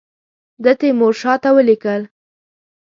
ده تیمورشاه ته ولیکل.